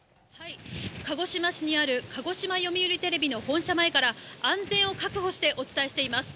鹿児島市にある鹿児島読売テレビの本社前から安全を確保してお伝えしています。